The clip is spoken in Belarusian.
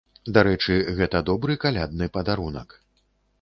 Дарэчы, гэта добры калядны падарунак!